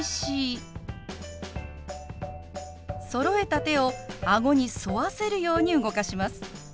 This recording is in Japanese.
そろえた手を顎に沿わせるように動かします。